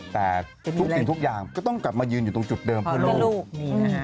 แต่อีกทุกอย่างก็ต้องกัดมายืนอยู่ชุดเดิมหรือลูก